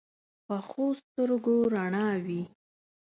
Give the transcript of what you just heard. پخو سترګو رڼا وي